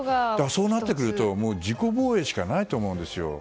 そうなってくると自己防衛しかないと思うんですよ。